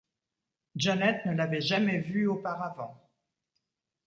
Janet ne l'avait jamais vue auparavant.